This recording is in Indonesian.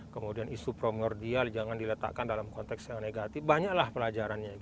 kemudian isu promordial jangan diletakkan dalam konteks yang negatif banyaklah pelajarannya